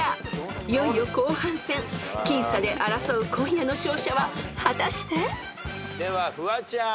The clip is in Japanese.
［いよいよ後半戦僅差で争う今夜の勝者は果たして？］ではフワちゃん。